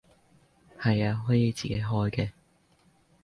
係啊，可以自己開嘅